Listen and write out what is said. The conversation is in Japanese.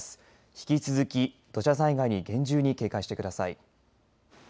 引き続き土砂災害に厳重に警戒してください。